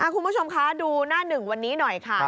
คุณผู้ชมคะดูหน้าหนึ่งวันนี้หน่อยค่ะ